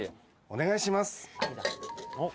「お願いします」